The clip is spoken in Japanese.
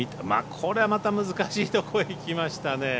これまた難しいところへ行きましたね。